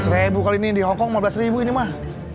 rp lima belas kali ini di hongkong rp lima belas ini mah